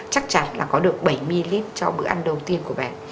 chắc chắn là có được bảy ml cho bữa ăn đầu tiên của bé